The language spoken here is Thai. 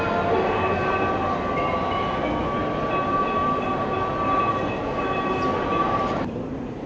สวัสดีครับ